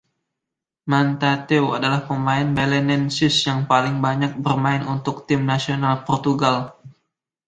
Matateu adalah pemain Belenenses yang paling banyak bermain untuk tim nasional Portugal.